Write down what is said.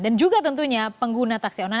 dan juga tentunya pengguna taksi online